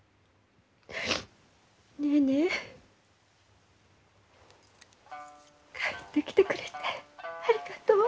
ネーネー帰ってきてくれてありがとう。